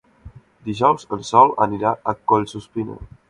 Dijous en Sol anirà a Collsuspina.